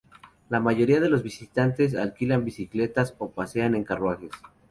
La mayoría de los visitantes alquilan bicicletas o pasean en carruajes.